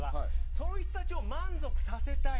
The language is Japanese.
そういった人たちを満足させたい。